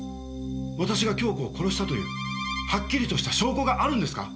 私が杏子を殺したというはっきりとした証拠があるんですか？